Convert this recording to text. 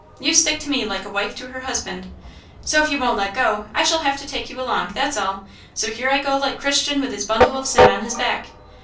You stick to me like a wife to her husband. So if you won't let go, I shall have to take you along, that's all! So here I go like Christian with his bundle of sin on his back!"